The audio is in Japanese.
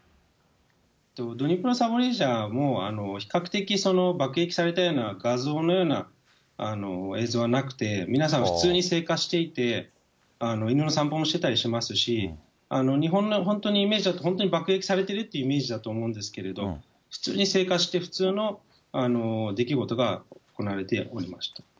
ドニプロ、ザポリージャも比較的爆撃されたような画像のような映像はなくて、皆さん、普通に生活していて、犬の散歩もしてたりしますし、日本の本当にイメージだと、本当に爆撃されているっていうイメージだと思うんですけれど、普通に生活して、普通の出来事が行われておりました。